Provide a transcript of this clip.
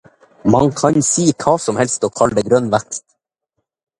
Man kan si hva som helst og kalle det grønn vekst.